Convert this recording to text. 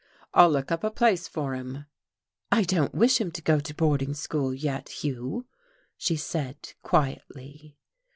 "I'll look up a place for him." "I don't wish him to go to boarding school yet, Hugh," she said quietly.